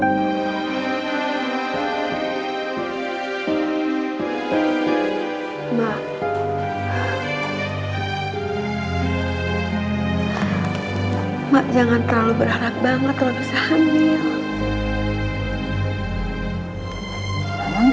emak emak jangan terlalu berharap banget terlalu bersaham ya emang